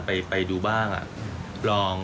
ไปดูบ้าง